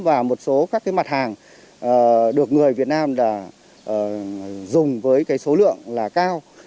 và một số các mặt hàng được người việt nam dùng với số lượng cao